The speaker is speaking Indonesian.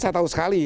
saya tahu sekali